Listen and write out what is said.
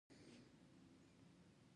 له دالانه ووت.